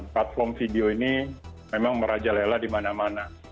platform video ini memang merajalela di mana mana